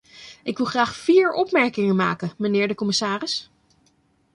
Ik wil graag vier opmerkingen maken, mijnheer de commissaris.